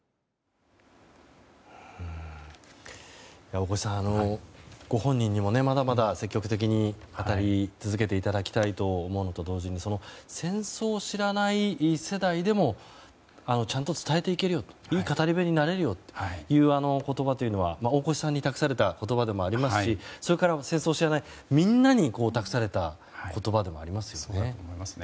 大越さん、ご本人にもまだまだ積極的に語り続けていただきたいと思うと同時に戦争を知らない世代でもちゃんと伝えていけるよといい語り部になれるよという言葉は大越さんに託された言葉でもありますし戦争を知らないみんなに託された言葉でもありますよね。